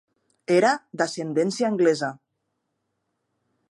Era d'ascendència anglesa.